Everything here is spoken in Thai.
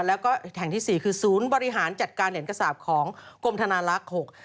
แล้วก็แห่งที่๔คือศูนย์บริหารจัดการเหน็นกษาบของกรมธนารักษ์๖